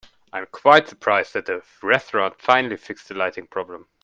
I am quite surprised that the restaurant finally fixed the lighting problem.